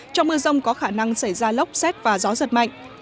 trong mưa rông có khả năng xảy ra lốc xét và gió giật mạnh